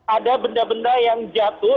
ada benda benda yang jatuh